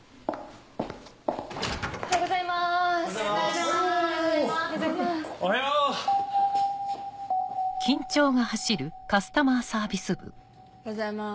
おはようございます。